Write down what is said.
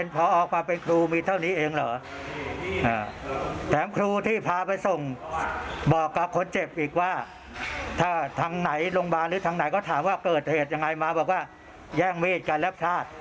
ผมไม่รู้ก็พกละไปครับ